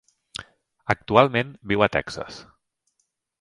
Actualment viu a Texas.